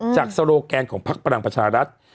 จากโซโลแกนของพักประหลังประชารัฐ